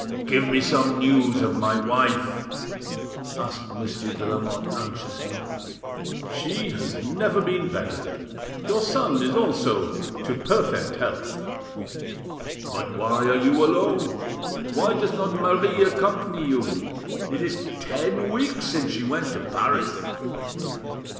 "Give me some news of my wife," asked Monsieur de Lamotte anxiously. "She has never been better. Your son is also to perfect health." "But why are you alone? Why does not Marie accompany you? It is ten weeks since she went to Paris."